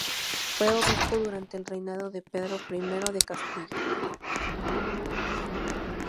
Fue obispo durante el reinado de Pedro I de Castilla.